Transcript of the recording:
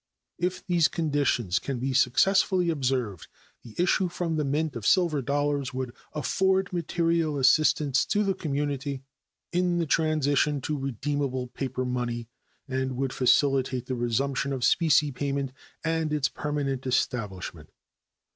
If these conditions can be successfully observed, the issue from the mint of silver dollars would afford material assistance to the community in the transition to redeemable paper money, and would facilitate the resumption of specie payment and its permanent establishment.